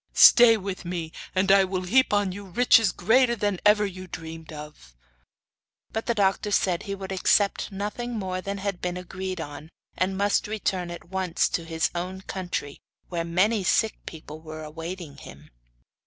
'Stay with me, and I will heap on you riches greater than ever you dreamed of.' But the doctor said he would accept nothing more than had been agreed on, and must return at once to his own country, where many sick people were awaiting him.